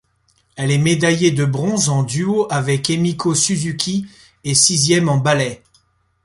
Elle est médaillée de bronze en duo avec Emiko Suzuki et sixième en ballet.